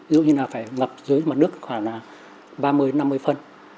dù như là phải ngập dưới mặt nước khoảng ba mươi năm mươi phân